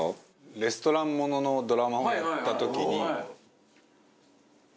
レストランもののドラマをやった時に。